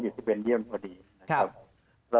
ผมอยู่ที่เบนเยี่ยมพอดีนะครับ